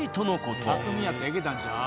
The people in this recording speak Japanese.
たくみやったらいけたんちゃう？